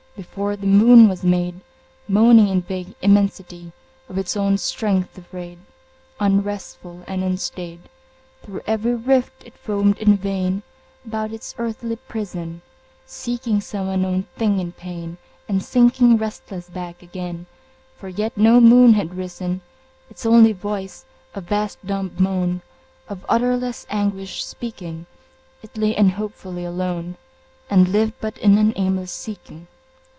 Before the moon was made, Moaning in vague immensity, Of its own strength afraid, Unresful and unstaid. Through every rift it foamed in vain, About its earthly prison, Seeking some unknown thing in pain, And sinking restless back again, For yet no moon had risen: Its only voice a vast dumb moan, Of utterless anguish speaking, It lay unhopefully alone, And lived but in an aimless seeking.